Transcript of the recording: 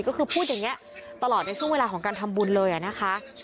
ก็คือพูดอย่างนี้ตลอดในช่วงเวลาของการทำบุญเลยนะคะ